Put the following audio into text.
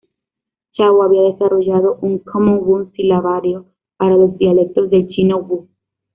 Chao había desarrollado un "Common Wu Silabario" para los dialectos del chino wu.